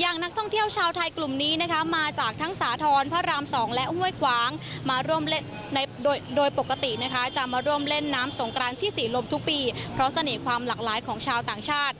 อย่างนักท่องเที่ยวชาวไทยกลุ่มนี้มาจากทั้งสาธรณ์พระรามสองและห้วยควางมาร่วมเล่นน้ำสงครานที่สีลมทุกปีเพราะเสน่ห์ความหลากหลายของชาวต่างชาติ